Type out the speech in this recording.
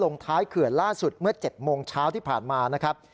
ท้ายเขื่อนล่าสุดเมื่อ๗โมงเช้าที่ผ่านมานะครับ